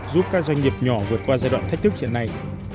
giúp các doanh nghiệp nhỏ vượt qua giai đoạn thách thức hiện nay